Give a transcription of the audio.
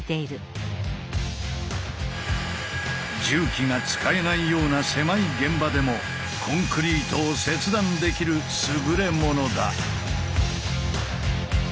重機が使えないような狭い現場でもコンクリートを切断できるすぐれものだ。